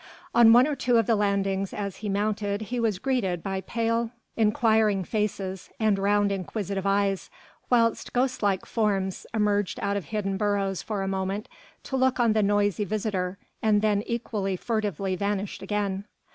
On one or two of the landings as he mounted he was greeted by pale, inquiring faces and round inquisitive eyes, whilst ghostlike forms emerged out of hidden burrows for a moment to look on the noisy visitor and then equally furtively vanished again.